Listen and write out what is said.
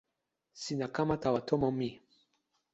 sina kama tawa tomo mi.